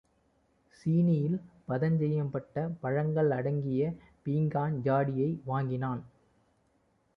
சீனியில் பதஞ்செய்யப்பட்ட பழங்கள் அடங்கிய பீங்கான் சாடிகளை வாங்கினான்.